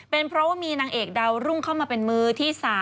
เป็นเพราะว่ามีนางเอกดาวรุ่งเข้ามาเป็นมือที่๓